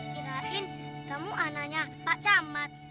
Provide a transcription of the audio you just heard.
kirain kamu anaknya pak camat